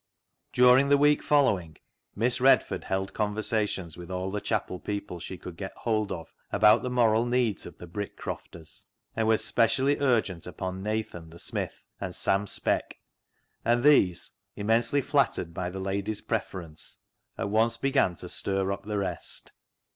During the week following. Miss Redford 204 CLOG SHOP CHRONICLES held conversations with all the chapel people she could get hold of about the moral needs of the Brick crofters, and was specially urgent upon Nathan the smith and Sam Speck, and these — immensely flattered by the lady's preference — at once began to stir up the rest.